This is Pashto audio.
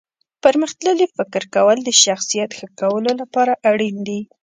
پرمختللي فکر کول د شخصیت ښه کولو لپاره اړین دي.